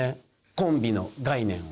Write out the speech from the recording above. コンビの概念を。